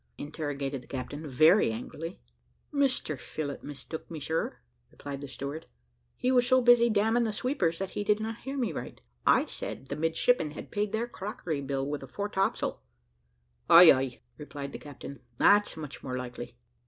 interrogated the captain, very angrily. "Mr Phillott mistook me, sir," replied the steward. "He was so busy damning the sweepers, that he did not hear me right. I said, the midshipmen had paid their crockery bill with the fore topsail." "Ay, ay," replied the captain, "that's much more likely."